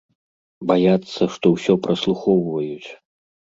Баяцца, што ўсё праслухоўваюць.